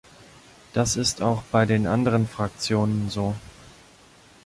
Das ist auch bei den anderen Fraktionen so.